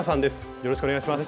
よろしくお願いします。